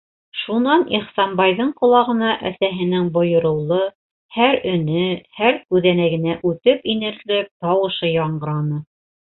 Шунан Ихсанбайҙың ҡолағына әсәһенең бойороулы, һәр өнө һәр күҙәнәгенә үтеп инерлек тауышы яңғыраны: